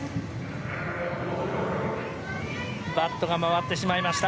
バットが回ってしまいました。